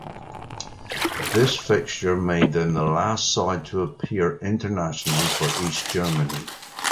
This fixture made them the last side to appear internationally for East Germany.